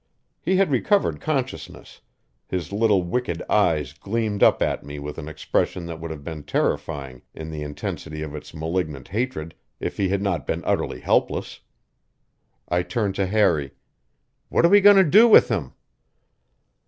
He had recovered consciousness; his little wicked eyes gleamed up at me with an expression that would have been terrifying in the intensity of its malignant hatred if he had not been utterly helpless. I turned to Harry: "What are we going to do with him?"